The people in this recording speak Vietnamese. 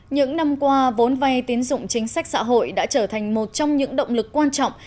những năm qua vốn vay tiến dụng chính sách xã hội đã trở thành một trong những động lực quan trọng